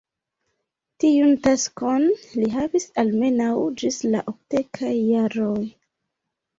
Tiun taskon li havis almenaŭ ĝis la okdekaj jaroj.